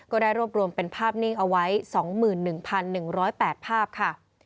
ก็ได้รวบรวมเป็นภาพนิ่งเอาไว้๒๑๑๐๘ภาพค่ะ